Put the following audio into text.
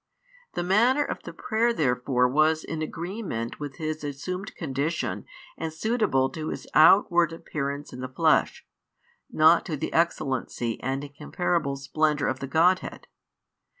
The manner of the prayer therefore was in agreement with His assumed condition and suitable to His outward appearance in the flesh, not to the excellency and incomparable splendour of the Godhead.